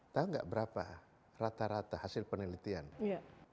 tahu nggak berapa rata rata hasil penelitian